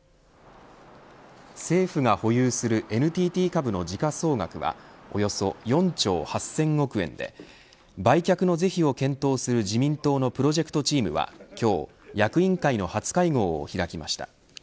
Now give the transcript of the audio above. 政府が保有するＮＴＴ株の時価総額はおよそ４兆８０００億円で売却の是非を検討する自民党のプロジェクトチームは今日、役員会の初会合を開きました。